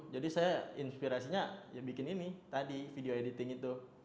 jadi saya inspirasinya bikin ini tadi video editing itu